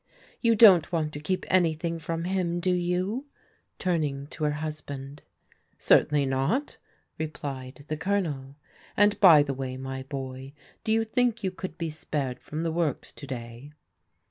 You don't want to keep anything from him, do you? " turning to her husband. " Certainly not," replied the Colonel. " And by the way, my boy, do you think you could be spared from the works to day?"